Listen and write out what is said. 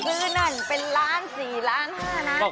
ซื้อนั่นซื้อนั่นเป็นล้านสี่ล้านห้อนะ